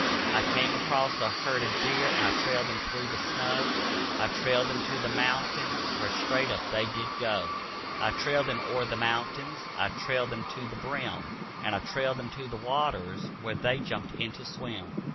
I came across a herd of deer and I trailed them through the snow, I trailed them to the mountains where straight up they did go. I trailed them o'er the mountains, I trailed them to the brim, And I trailed them to the waters where they jumped in to swim.